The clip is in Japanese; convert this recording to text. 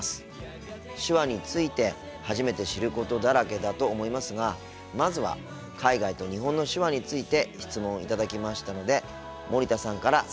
手話について初めて知ることだらけだと思いますがまずは海外と日本の手話について質問を頂きましたので森田さんから説明していただきたいと思います。